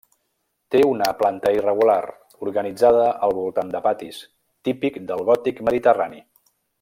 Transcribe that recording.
Té una planta irregular, organitzada al voltant de patis, típic del gòtic mediterrani.